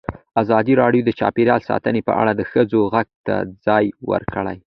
ازادي راډیو د چاپیریال ساتنه په اړه د ښځو غږ ته ځای ورکړی.